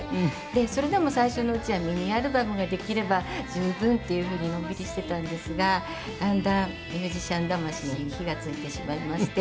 でそれでも最初のうちはミニアルバムができれば十分っていうふうにのんびりしていたんですがだんだんミュージシャン魂に火がついてしまいまして。